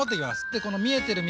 でこの見えてる水